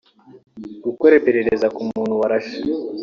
gukora iperereza ku muntu warashe